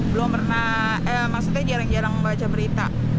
belum pernah maksudnya jarang jarang membaca berita